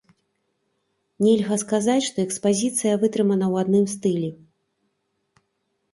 Нельга сказаць, што экспазіцыя вытрымана ў адным стылі.